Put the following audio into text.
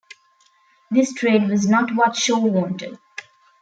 This trade was not what Shaw wanted.